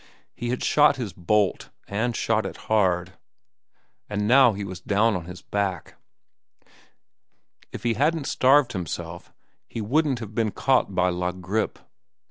He had shot his bolt, and shot it hard, and now he was down on his back. If he hadn't starved himself, he wouldn't have been caught by La Grippe.